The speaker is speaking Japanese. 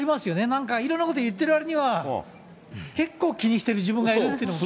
なんかいろんなこと言っているわりには、結構、気にしている自分がいるというのも。